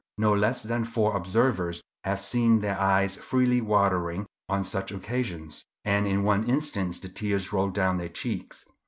No less than four observers have seen their eyes freely watering on such occasions; and in one instance the tears rolled down their cheeks.